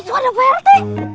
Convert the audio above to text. itu ada prt